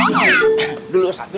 ada ada disini